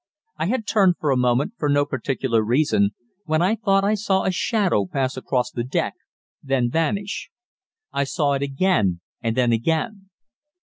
I had turned for a moment, for no particular reason, when I thought I saw a shadow pass across the deck, then vanish. I saw it again; and then again.